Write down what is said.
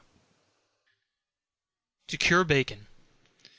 To Cure Bacon.